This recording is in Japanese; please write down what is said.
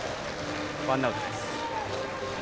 ワンアウトです。